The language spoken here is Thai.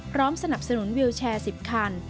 สนับสนุนวิวแชร์๑๐คัน